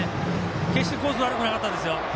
決してコースは悪くなかったです。